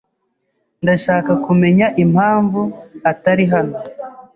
Ndashaka kumenya impamvu atari hano.